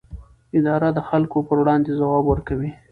اداره د خلکو پر وړاندې ځواب ورکوي.